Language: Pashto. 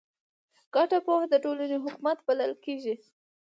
ګډه پوهه د ټولنې حکمت بلل کېږي.